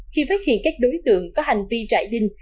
khi phát hiện các đối tượng có hành vi trải đinh